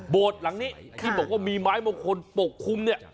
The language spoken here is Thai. หลังนี้ที่บอกว่ามีไม้มงคลปกคลุมเนี่ย